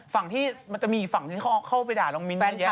มันจะมีฝั่งที่เขาเข้าไปด่าน้องมิ้นเยอะแยะ